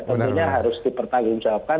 tentunya harus dipertanggungjawabkan